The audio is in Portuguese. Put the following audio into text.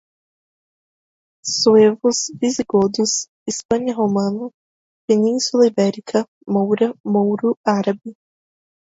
suevos, visigodos, Hispânia romana, Península Ibérica, moura, mouro, árabe